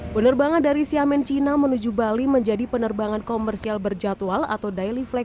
penerbangan dari siamen cina menuju bali menjadi penerbangan komersial berjadwal atau daily flag